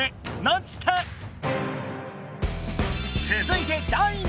つづいて第２問！